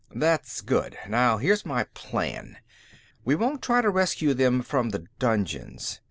"That's good. Now, here's my plan. We won't try to rescue them from the dungeons.